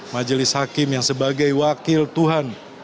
majelis hakim yang sebagai wakil tuhan